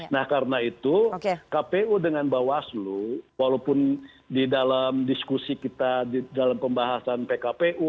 nah karena itu kpu dengan bawaslu walaupun di dalam diskusi kita di dalam pembahasan pkpu